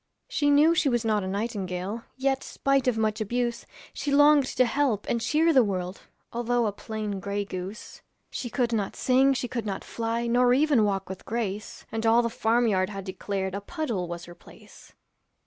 She knew she was not nightingale, Yet spite of much abuse, She longed to help and cheer the world, Although a plain gray goose. She could not sing, she could not fly, Nor even walk with grace, And all the farm yard had declared A puddle was her place.